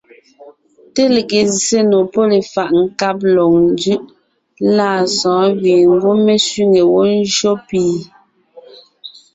Te lege zsè nò pɔ́ lefaʼ nkáb lɔg njʉʼ lâ sɔ̌ɔn gẅie ngwɔ́ mé sẅîŋe wó ńjÿó pì.